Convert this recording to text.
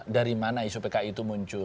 dari mana isu pki itu muncul